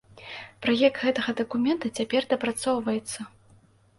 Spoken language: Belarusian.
Праект гэтага дакумента цяпер дапрацоўваецца.